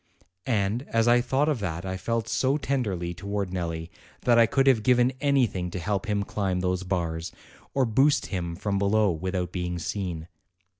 And as I thought of that I felt so tenderly towards Nelli that I could have given anything to help him climb those bars, or boost him from below without being seen.